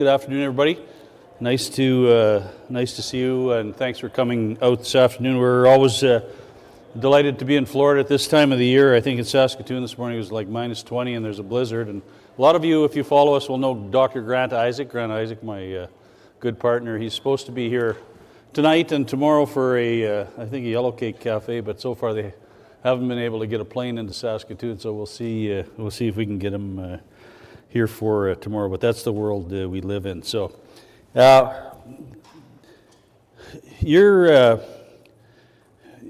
Good afternoon, everybody. Nice to see you, and thanks for coming out this afternoon. We're always delighted to be in Florida at this time of the year. I think in Saskatoon this morning it was like minus 20 and there's a blizzard. And a lot of you, if you follow us, will know Dr. Grant Isaac. Grant Isaac, my good partner. He's supposed to be here tonight and tomorrow for, I think, a yellowcake café, but so far they haven't been able to get a plane into Saskatoon, so we'll see if we can get him here for tomorrow. But that's the world we live in. So you're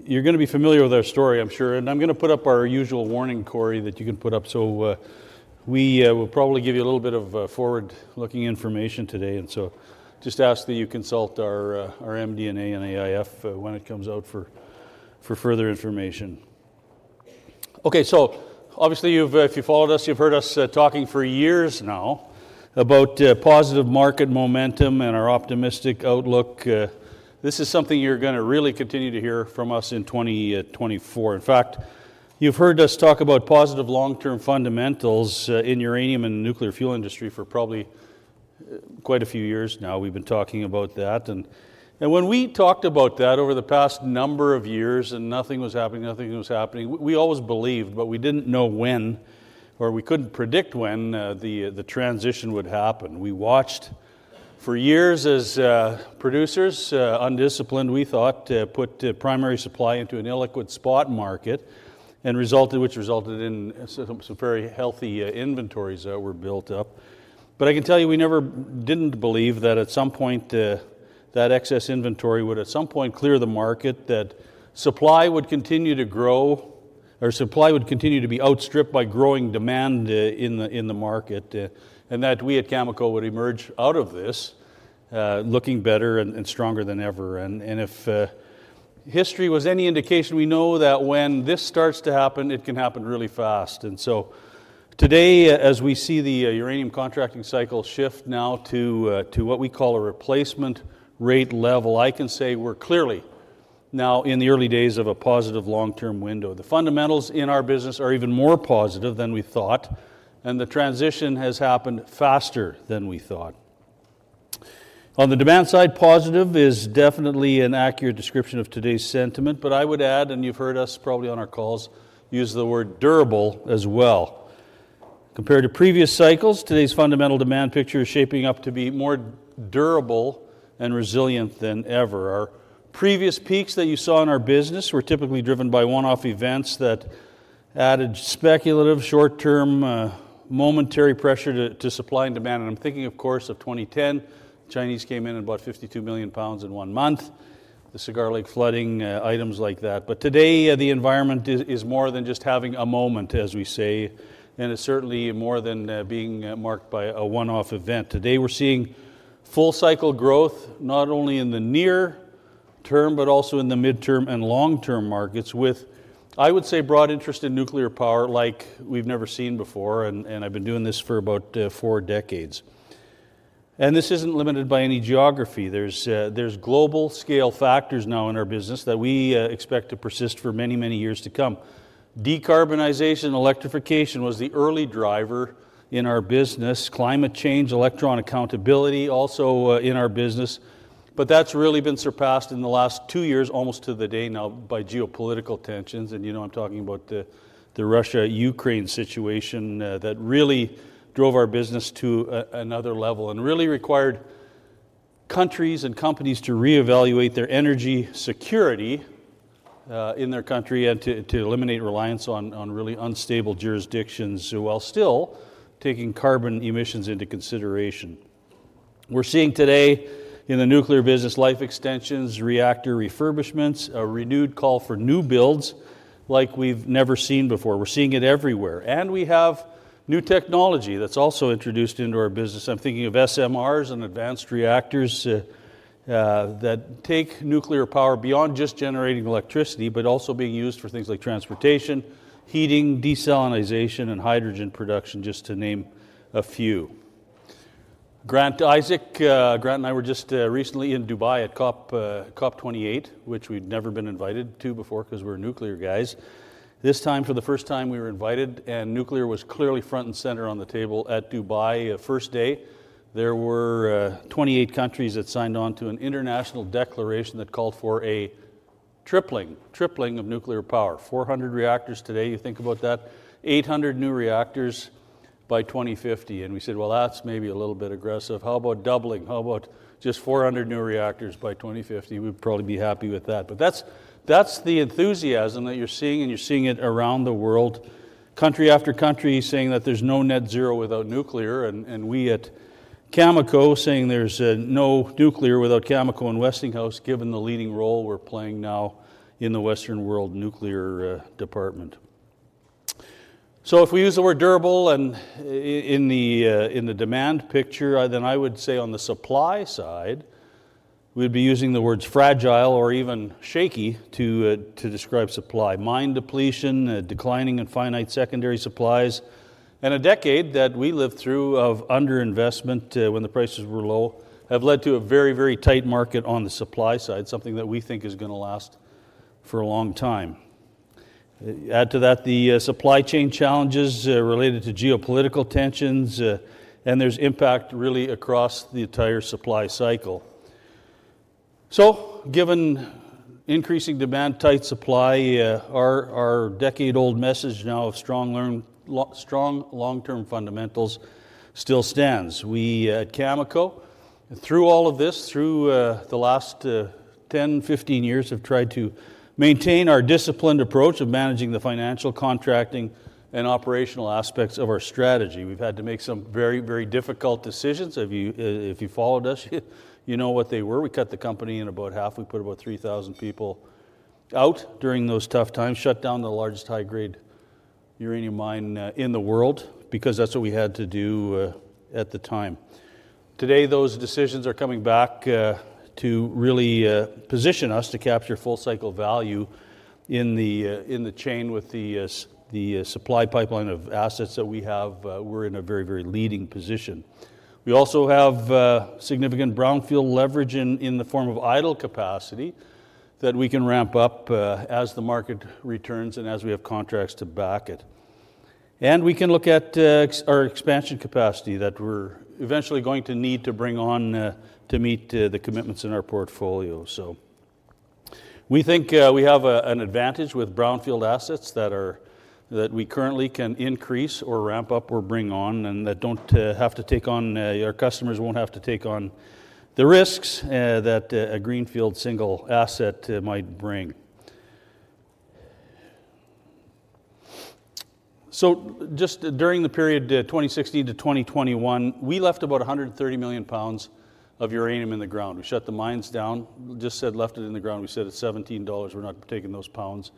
going to be familiar with our story, I'm sure, and I'm going to put up our usual warning, Cory, that you can put up. So we will probably give you a little bit of forward-looking information today, and so just ask that you consult our MD&A and AIF when it comes out for further information. Okay, so obviously if you followed us, you've heard us talking for years now about positive market momentum and our optimistic outlook. This is something you're going to really continue to hear from us in 2024. In fact, you've heard us talk about positive long-term fundamentals in uranium and the nuclear fuel industry for probably quite a few years now. We've been talking about that, and when we talked about that over the past number of years and nothing was happening, nothing was happening, we always believed, but we didn't know when, or we couldn't predict when the transition would happen. We watched for years as producers, undisciplined, we thought, put primary supply into an illiquid spot market, which resulted in some very healthy inventories that were built up. But I can tell you we never didn't believe that at some point that excess inventory would at some point clear the market, that supply would continue to grow, or supply would continue to be outstripped by growing demand in the market, and that we at Cameco would emerge out of this looking better and stronger than ever. And if history was any indication, we know that when this starts to happen, it can happen really fast. And so today, as we see the uranium contracting cycle shift now to what we call a replacement rate level, I can say we're clearly now in the early days of a positive long-term window. The fundamentals in our business are even more positive than we thought, and the transition has happened faster than we thought. On the demand side, positive is definitely an accurate description of today's sentiment, but I would add, and you've heard us probably on our calls, use the word durable as well. Compared to previous cycles, today's fundamental demand picture is shaping up to be more durable and resilient than ever. Our previous peaks that you saw in our business were typically driven by one-off events that added speculative, short-term, momentary pressure to supply and demand. And I'm thinking, of course, of 2010. The Chinese came in and bought 52 million pounds in one month, the Cigar Lake flooding, items like that. But today the environment is more than just having a moment, as we say, and it's certainly more than being marked by a one-off event. Today we're seeing full-cycle growth not only in the near term but also in the mid-term and long-term markets with, I would say, broad interest in nuclear power like we've never seen before, and I've been doing this for about four decades. This isn't limited by any geography. There's global-scale factors now in our business that we expect to persist for many, many years to come. Decarbonization, electrification was the early driver in our business. Climate change, electron accountability, also in our business. But that's really been surpassed in the last two years, almost to the day now, by geopolitical tensions. You know I'm talking about the Russia-Ukraine situation that really drove our business to another level and really required countries and companies to reevaluate their energy security in their country and to eliminate reliance on really unstable jurisdictions while still taking carbon emissions into consideration. We're seeing today in the nuclear business life extensions, reactor refurbishments, a renewed call for new builds like we've never seen before. We're seeing it everywhere. We have new technology that's also introduced into our business. I'm thinking of SMRs and advanced reactors that take nuclear power beyond just generating electricity but also being used for things like transportation, heating, desalination, and hydrogen production, just to name a few. Grant Isaac, Grant and I were just recently in Dubai at COP28, which we'd never been invited to before because we're nuclear guys. This time, for the first time, we were invited, and nuclear was clearly front and center on the table at Dubai. First day, there were 28 countries that signed on to an international declaration that called for a tripling, tripling of nuclear power. 400 reactors today. You think about that, 800 new reactors by 2050. We said, "Well, that's maybe a little bit aggressive. How about doubling? How about just 400 new reactors by 2050?" We'd probably be happy with that. But that's the enthusiasm that you're seeing, and you're seeing it around the world, country after country saying that there's no net zero without nuclear, and we at Cameco saying there's no nuclear without Cameco and Westinghouse given the leading role we're playing now in the Western world nuclear department. So if we use the word durable in the demand picture, then I would say on the supply side we'd be using the words fragile or even shaky to describe supply, mine depletion, declining in finite secondary supplies. A decade that we lived through of underinvestment when the prices were low have led to a very, very tight market on the supply side, something that we think is going to last for a long time. Add to that the supply chain challenges related to geopolitical tensions, and there's impact really across the entire supply cycle. So given increasing demand, tight supply, our decade-old message now of strong long-term fundamentals still stands. We at Cameco, through all of this, through the last 10, 15 years, have tried to maintain our disciplined approach of managing the financial, contracting, and operational aspects of our strategy. We've had to make some very, very difficult decisions. If you followed us, you know what they were. We cut the company in about half. We put about 3,000 people out during those tough times, shut down the largest high-grade uranium mine in the world because that's what we had to do at the time. Today, those decisions are coming back to really position us to capture full-cycle value in the chain with the supply pipeline of assets that we have. We're in a very, very leading position. We also have significant brownfield leverage in the form of idle capacity that we can ramp up as the market returns and as we have contracts to back it. And we can look at our expansion capacity that we're eventually going to need to bring on to meet the commitments in our portfolio. So we think we have an advantage with brownfield assets that we currently can increase or ramp up or bring on and that don't have to take on. Our customers won't have to take on the risks that a greenfield single asset might bring. So just during the period 2016-2021, we left about 130 million pounds of uranium in the ground. We shut the mines down, just said left it in the ground. We said it's $17. We're not taking those pounds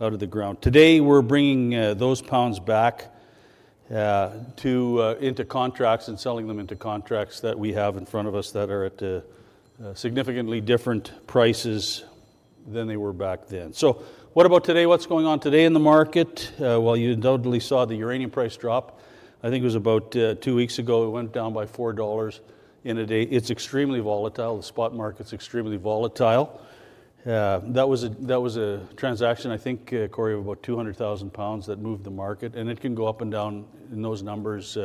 out of the ground. Today, we're bringing those pounds back into contracts and selling them into contracts that we have in front of us that are at significantly different prices than they were back then. So what about today? What's going on today in the market? Well, you undoubtedly saw the uranium price drop. I think it was about two weeks ago. It went down by $4 in a day. It's extremely volatile. The spot market's extremely volatile. That was a transaction, I think, Cory, of about 200,000 pounds that moved the market. And it can go up and down in those numbers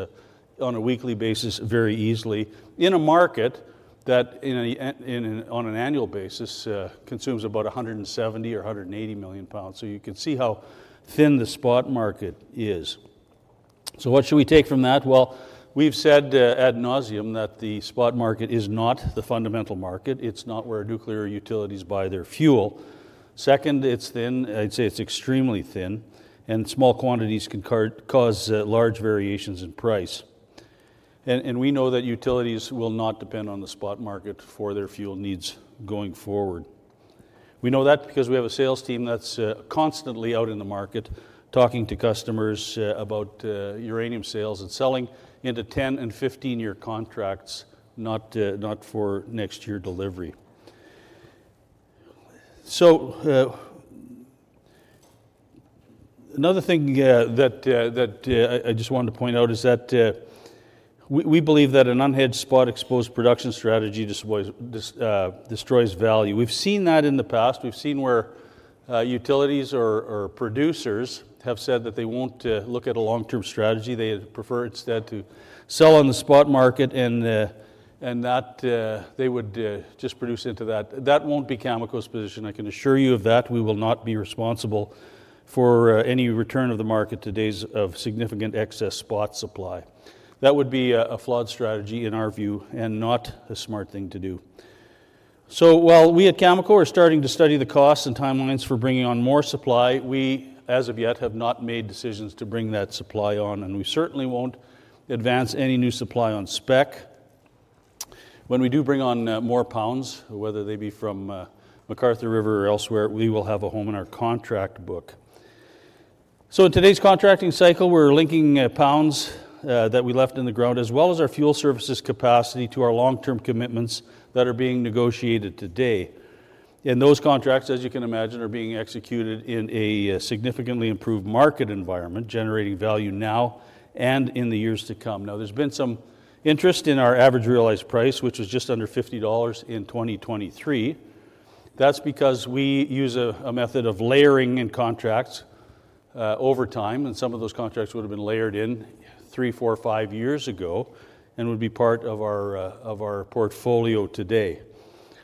on a weekly basis very easily in a market that, on an annual basis, consumes about 170 or 180 million pounds. So you can see how thin the spot market is. So what should we take from that? Well, we've said ad nauseam that the spot market is not the fundamental market. It's not where nuclear utilities buy their fuel. Second, it's thin. I'd say it's extremely thin, and small quantities can cause large variations in price. And we know that utilities will not depend on the spot market for their fuel needs going forward. We know that because we have a sales team that's constantly out in the market talking to customers about uranium sales and selling into 10- and 15-year contracts, not for next year delivery. So another thing that I just wanted to point out is that we believe that an unhedged spot exposed production strategy destroys value. We've seen that in the past. We've seen where utilities or producers have said that they won't look at a long-term strategy. They prefer instead to sell on the spot market, and they would just produce into that. That won't be Cameco's position. I can assure you of that. We will not be responsible for any return of the market today's significant excess spot supply. That would be a flawed strategy in our view and not a smart thing to do. So while we at Cameco are starting to study the costs and timelines for bringing on more supply, we, as of yet, have not made decisions to bring that supply on, and we certainly won't advance any new supply on spec. When we do bring on more pounds, whether they be from McArthur River or elsewhere, we will have a home in our contract book. So in today's contracting cycle, we're linking pounds that we left in the ground as well as our fuel services capacity to our long-term commitments that are being negotiated today. And those contracts, as you can imagine, are being executed in a significantly improved market environment, generating value now and in the years to come. Now, there's been some interest in our average realized price, which was just under $50 in 2023. That's because we use a method of layering in contracts over time, and some of those contracts would have been layered in 3, 4, 5 years ago and would be part of our portfolio today.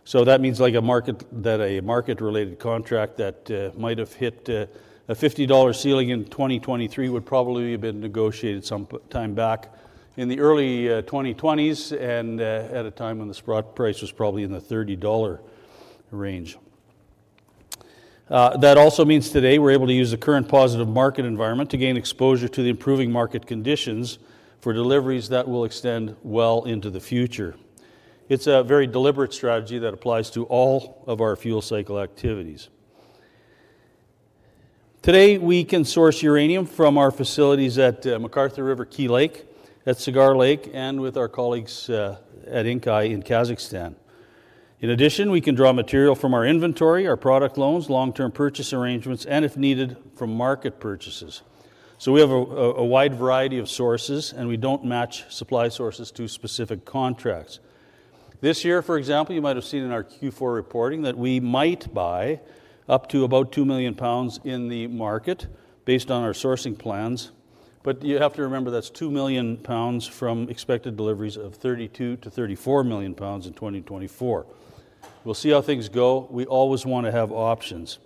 So that means like a market-related contract that might have hit a $50 ceiling in 2023 would probably have been negotiated some time back in the early 2020s and at a time when the spot price was probably in the $30 range. That also means today we're able to use the current positive market environment to gain exposure to the improving market conditions for deliveries that will extend well into the future. It's a very deliberate strategy that applies to all of our fuel cycle activities. Today, we can source uranium from our facilities at McArthur River Key Lake, at Cigar Lake, and with our colleagues at Inkai in Kazakhstan. In addition, we can draw material from our inventory, our product loans, long-term purchase arrangements, and if needed, from market purchases. So we have a wide variety of sources, and we don't match supply sources to specific contracts. This year, for example, you might have seen in our Q4 reporting that we might buy up to about 2 million pounds in the market based on our sourcing plans. But you have to remember that's 2 million pounds from expected deliveries of 32-34 million pounds in 2024. We'll see how things go. We always want to have options.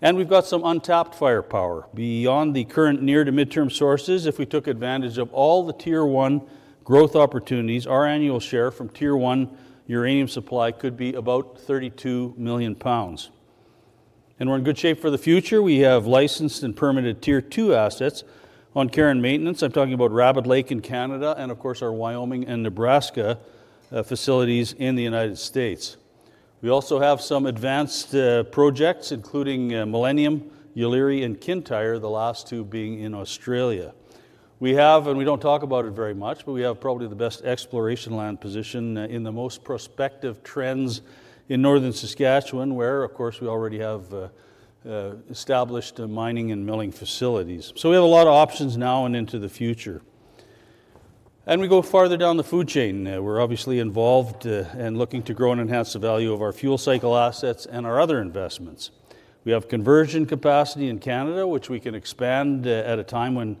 And we've got some untapped firepower. Beyond the current near- to mid-term sources, if we took advantage of all the tier one growth opportunities, our annual share from tier one uranium supply could be about 32 million pounds. And we're in good shape for the future. We have licensed and permitted tier two assets on care and maintenance. I'm talking about Rabbit Lake in Canada and, of course, our Wyoming and Nebraska facilities in the United States. We also have some advanced projects including Millennium, Yeelirrie, and Kintyre, the last two being in Australia. We have, and we don't talk about it very much, but we have probably the best exploration land position in the most prospective trends in Northern Saskatchewan where, of course, we already have established mining and milling facilities. So we have a lot of options now and into the future. And we go farther down the food chain. We're obviously involved and looking to grow and enhance the value of our fuel cycle assets and our other investments. We have conversion capacity in Canada, which we can expand at a time when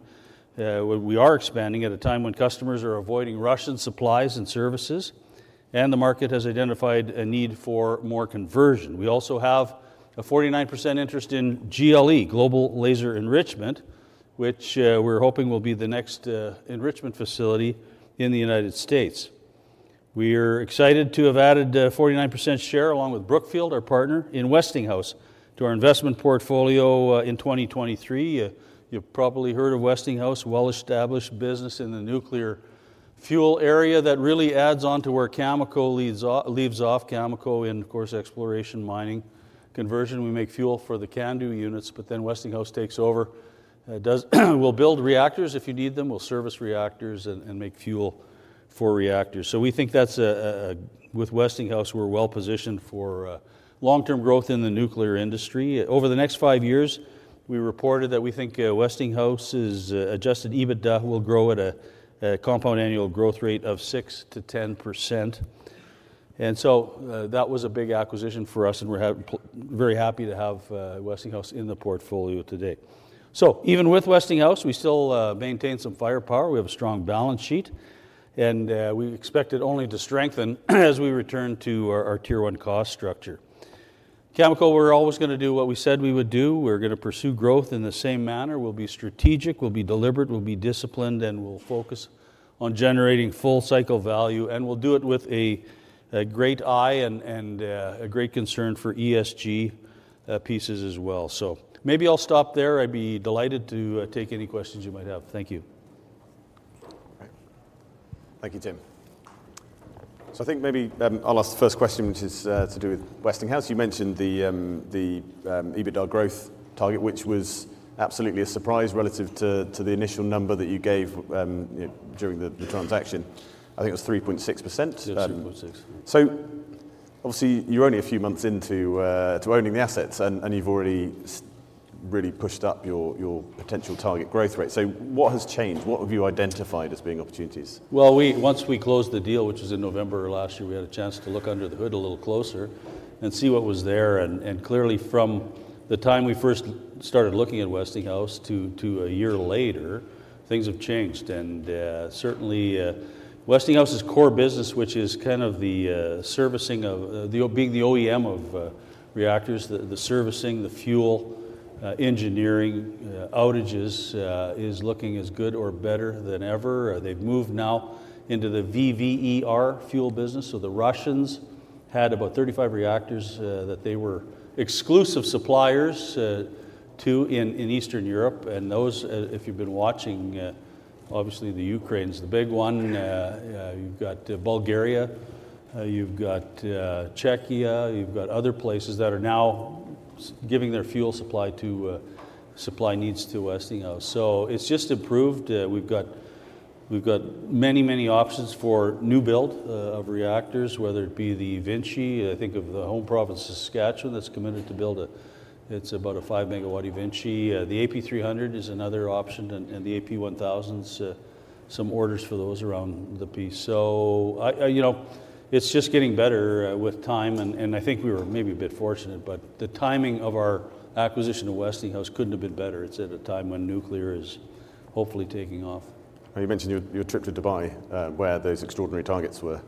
we are expanding, at a time when customers are avoiding Russian supplies and services, and the market has identified a need for more conversion. We also have a 49% interest in GLE, Global Laser Enrichment, which we're hoping will be the next enrichment facility in the United States. We're excited to have added a 49% share along with Brookfield, our partner, in Westinghouse to our investment portfolio in 2023. You've probably heard of Westinghouse, well-established business in the nuclear fuel area that really adds onto where Cameco leaves off. Cameco in, of course, exploration, mining, conversion. We make fuel for the CANDU units, but then Westinghouse takes over, will build reactors if you need them, will service reactors, and make fuel for reactors. So we think that with Westinghouse, we're well-positioned for long-term growth in the nuclear industry. Over the next five years, we reported that we think Westinghouse's adjusted EBITDA will grow at a compound annual growth rate of 6%-10%. And so that was a big acquisition for us, and we're very happy to have Westinghouse in the portfolio today. So even with Westinghouse, we still maintain some firepower. We have a strong balance sheet, and we expect it only to strengthen as we return to our tier one cost structure. Cameco, we're always going to do what we said we would do. We're going to pursue growth in the same manner. We'll be strategic. We'll be deliberate. We'll be disciplined, and we'll focus on generating full-cycle value. And we'll do it with a great eye and a great concern for ESG pieces as well. Maybe I'll stop there. I'd be delighted to take any questions you might have. Thank you. All right. Thank you, Tim. So I think maybe I'll ask the first question, which is to do with Westinghouse. You mentioned the EBITDA growth target, which was absolutely a surprise relative to the initial number that you gave during the transaction. I think it was 3.6%. Yes, 3.6%. So obviously, you're only a few months into owning the assets, and you've already really pushed up your potential target growth rate. So what has changed? What have you identified as being opportunities? Well, once we closed the deal, which was in November last year, we had a chance to look under the hood a little closer and see what was there. Clearly, from the time we first started looking at Westinghouse to a year later, things have changed. And certainly, Westinghouse's core business, which is kind of being the OEM of reactors, the servicing, the fuel, engineering, outages, is looking as good or better than ever. They've moved now into the VVER fuel business. So the Russians had about 35 reactors that they were exclusive suppliers to in Eastern Europe. And those, if you've been watching, obviously, the Ukraine's the big one. You've got Bulgaria. You've got Czechia. You've got other places that are now giving their fuel supply needs to Westinghouse. So it's just improved. We've got many, many options for new build of reactors, whether it be the eVinci. I think of the home province of Saskatchewan that's committed to build. It's about a 5-megawatt eVinci. The AP300 is another option, and the AP1000s some orders for those around the piece. So it's just getting better with time. And I think we were maybe a bit fortunate, but the timing of our acquisition of Westinghouse couldn't have been better. It's at a time when nuclear is hopefully taking off. You mentioned your trip to Dubai where those extraordinary targets were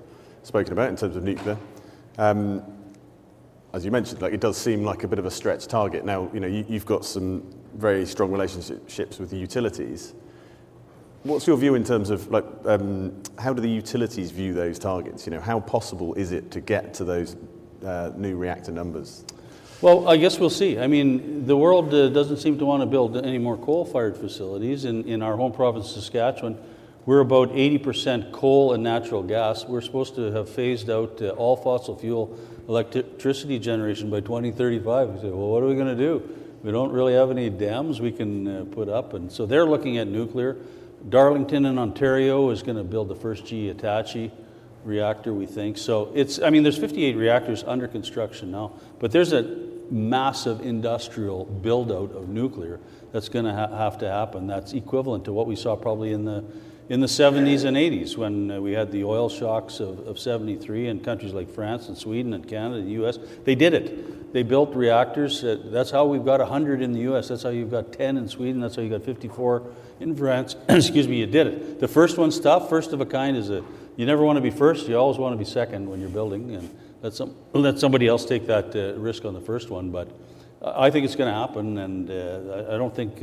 spoken about in terms of nuclear. As you mentioned, it does seem like a bit of a stretched target. Now, you've got some very strong relationships with the utilities. What's your view in terms of how do the utilities view those targets? How possible is it to get to those new reactor numbers? Well, I guess we'll see. I mean, the world doesn't seem to want to build any more coal-fired facilities. In our home province of Saskatchewan, we're about 80% coal and natural gas. We're supposed to have phased out all fossil fuel electricity generation by 2035. We say, "Well, what are we going to do? We don't really have any dams we can put up." And so they're looking at nuclear. Darlington in Ontario is going to build the first GE Hitachi reactor, we think. So I mean, there's 58 reactors under construction now. But there's a massive industrial buildout of nuclear that's going to have to happen. That's equivalent to what we saw probably in the 1970s and 1980s when we had the oil shocks of 1973 in countries like France and Sweden and Canada and the U.S. They did it. They built reactors. That's how we've got 100 in the U.S. That's how you've got 10 in Sweden. That's how you've got 54 in France. Excuse me. You did it. The first one stopped. First of a kind is a you never want to be first. You always want to be second when you're building. And let somebody else take that risk on the first one. But I think it's going to happen, and I don't think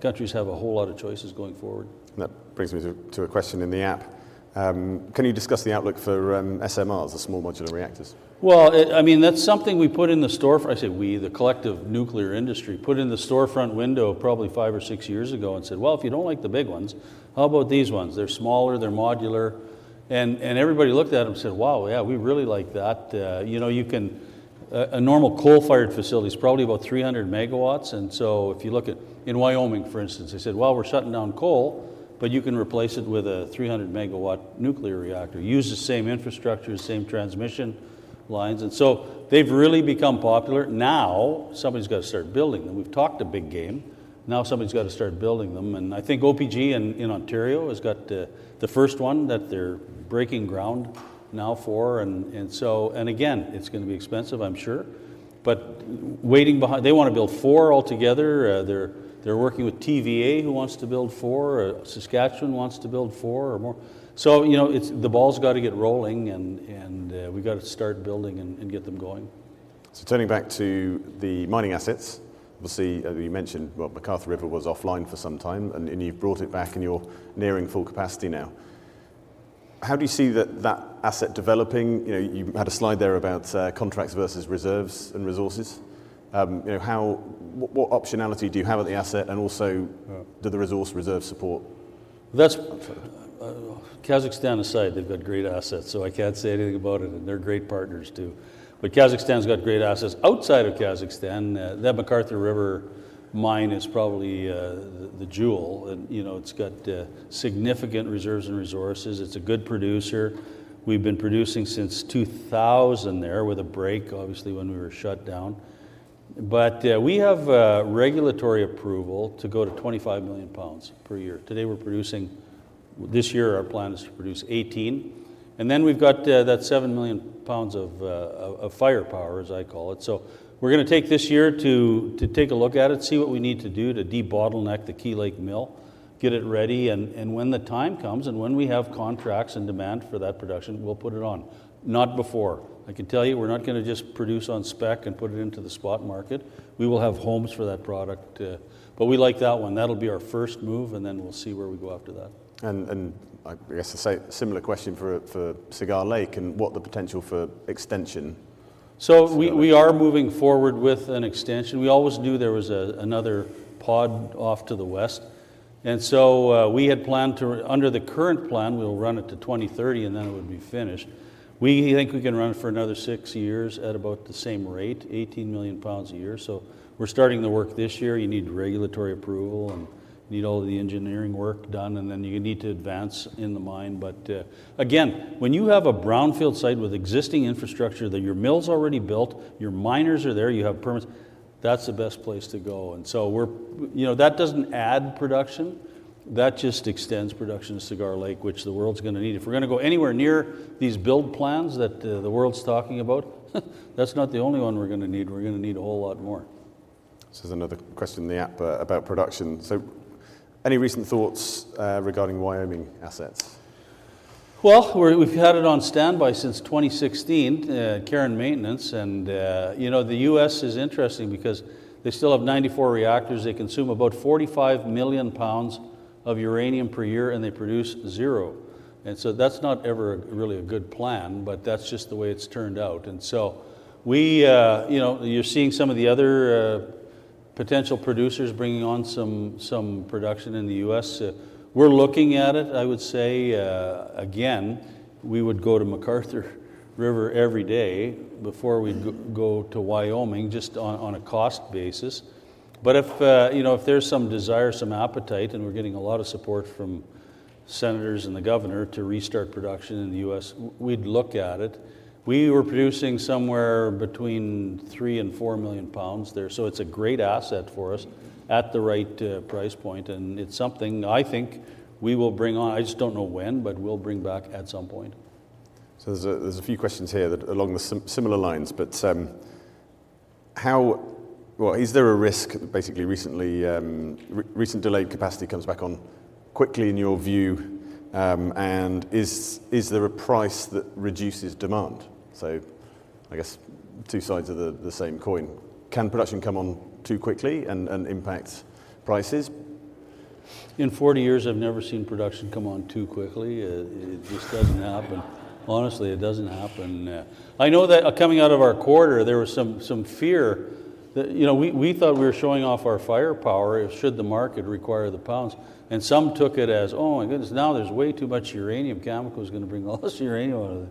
countries have a whole lot of choices going forward. That brings me to a question in the app. Can you discuss the outlook for SMRs, the small modular reactors? Well, I mean, that's something we put in the storefront. I say we, the collective nuclear industry, put in the storefront window probably five or six years ago and said, "Well, if you don't like the big ones, how about these ones? They're smaller. They're modular." And everybody looked at them and said, "Wow, yeah, we really like that." A normal coal-fired facility is probably about 300 megawatts. And so if you look at in Wyoming, for instance, they said, "Well, we're shutting down coal, but you can replace it with a 300-megawatt nuclear reactor. Use the same infrastructure, same transmission lines." And so they've really become popular. Now, somebody's got to start building them. We've talked a big game. Now, somebody's got to start building them. And I think OPG in Ontario has got the first one that they're breaking ground now for. Again, it's going to be expensive, I'm sure. But waiting behind they want to build four altogether. They're working with TVA who wants to build four. Saskatchewan wants to build four or more. So the ball's got to get rolling, and we've got to start building and get them going. Turning back to the mining assets, obviously, you mentioned, well, McArthur River was offline for some time, and you've brought it back, and you're nearing full capacity now. How do you see that asset developing? You had a slide there about contracts versus reserves and resources. What optionality do you have at the asset, and also do the resource reserve support? Kazakhstan aside, they've got great assets, so I can't say anything about it. And they're great partners too. But Kazakhstan's got great assets. Outside of Kazakhstan, that McArthur River mine is probably the jewel. It's got significant reserves and resources. It's a good producer. We've been producing since 2000 there with a break, obviously, when we were shut down. But we have regulatory approval to go to 25 million pounds per year. Today, we're producing this year, our plan is to produce 18. And then we've got that 7 million pounds of firepower, as I call it. So we're going to take this year to take a look at it, see what we need to do to debottleneck the Key Lake Mill, get it ready. And when the time comes and when we have contracts and demand for that production, we'll put it on, not before. I can tell you we're not going to just produce on spec and put it into the spot market. We will have homes for that product. But we like that one. That'll be our first move, and then we'll see where we go after that. I guess a similar question for Cigar Lake and what the potential for extension? So we are moving forward with an extension. We always knew there was another pod off to the west. We had planned to under the current plan, we'll run it to 2030, and then it would be finished. We think we can run it for another six years at about the same rate, 18 million pounds a year. So we're starting the work this year. You need regulatory approval, and you need all of the engineering work done, and then you need to advance in the mine. But again, when you have a brownfield site with existing infrastructure that your mill's already built, your miners are there, you have permits, that's the best place to go. That doesn't add production. That just extends production to Cigar Lake, which the world's going to need. If we're going to go anywhere near these build plans that the world's talking about, that's not the only one we're going to need. We're going to need a whole lot more. This is another question in the app about production. So any recent thoughts regarding Wyoming assets? Well, we've had it on standby since 2016, care and maintenance. The U.S. is interesting because they still have 94 reactors. They consume about 45 million pounds of uranium per year, and they produce zero. That's not ever really a good plan, but that's just the way it's turned out. You're seeing some of the other potential producers bringing on some production in the U.S. We're looking at it. I would say, again, we would go to McArthur River every day before we'd go to Wyoming just on a cost basis. But if there's some desire, some appetite, and we're getting a lot of support from senators and the governor to restart production in the U.S., we'd look at it. We were producing somewhere between 3-4 million pounds there. So it's a great asset for us at the right price point, and it's something I think we will bring on. I just don't know when, but we'll bring back at some point. So there's a few questions here along the similar lines. But is there a risk basically, recent delayed capacity comes back on quickly in your view, and is there a price that reduces demand? So I guess two sides of the same coin. Can production come on too quickly and impact prices? In 40 years, I've never seen production come on too quickly. It just doesn't happen. Honestly, it doesn't happen. I know that coming out of our quarter, there was some fear that we thought we were showing off our firepower should the market require the pounds. And some took it as, "Oh my goodness, now there's way too much uranium. Cameco's going to bring all this uranium out of there."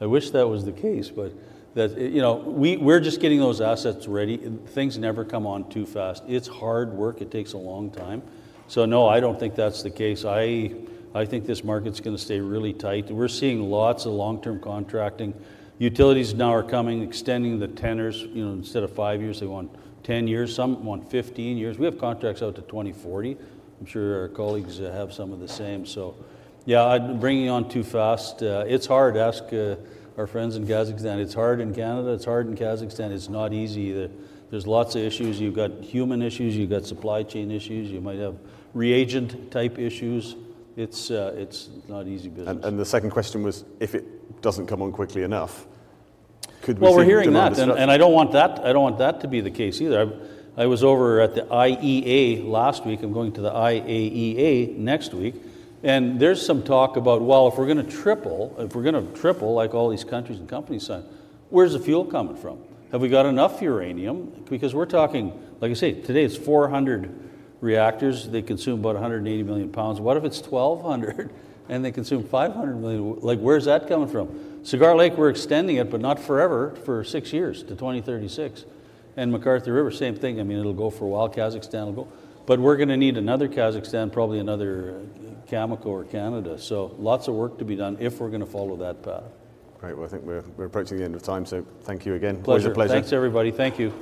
I wish that was the case. But we're just getting those assets ready. Things never come on too fast. It's hard work. It takes a long time. So no, I don't think that's the case. I think this market's going to stay really tight. We're seeing lots of long-term contracting. Utilities now are coming, extending the tenors. Instead of 5 years, they want 10 years. Some want 15 years. We have contracts out to 2040. I'm sure our colleagues have some of the same. So yeah, bringing on too fast, it's hard. Ask our friends in Kazakhstan. It's hard in Canada. It's hard in Kazakhstan. It's not easy either. There's lots of issues. You've got human issues. You've got supply chain issues. You might have reagent-type issues. It's not easy business. The second question was, if it doesn't come on quickly enough, could we see the demand? Well, we're hearing that, and I don't want that to be the case either. I was over at the IEA last week. I'm going to the IAEA next week. There's some talk about, well, if we're going to triple, if we're going to triple like all these countries and companies sign, where's the fuel coming from? Have we got enough uranium? Because we're talking, like I say, today, it's 400 reactors. They consume about 180 million pounds. What if it's 1,200, and they consume 500 million? Where's that coming from? Cigar Lake, we're extending it, but not forever, for six years to 2036. McArthur River, same thing. I mean, it'll go for a while. Kazakhstan, it'll go. But we're going to need another Kazakhstan, probably another Cameco or Canada. Lots of work to be done if we're going to follow that path. Great. Well, I think we're approaching the end of time. So thank you again. Pleasure. Pleasure. Thanks, everybody. Thank you.